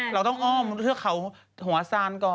เราต้องอ้อมเทือกเขาหัวซานก่อน